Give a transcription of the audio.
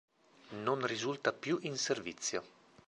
Non risulta più in servizio.